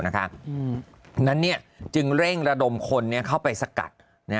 ดังนั้นจึงเร่งระดมคนเข้าไปสกัด